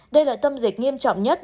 đây là tâm dịch nghiêm trọng nhất